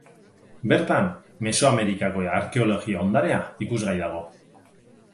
Bertan, Mesoamerikako arkeologia ondarea ikusgai dago.